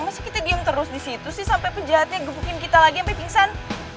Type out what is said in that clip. maksudnya kita diem terus di situ sih sampai penjahatnya gebukin kita lagi sampai pingsan